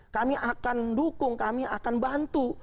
kami akan dukung kami akan bantu